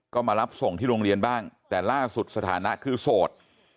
ก็มารับส่งที่โรงเรียนบ้างแต่ล่าสุดสถานะคือโสด